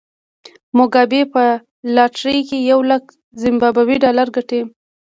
موګابي په لاټرۍ کې یو لک زیمبابويي ډالر ګټي.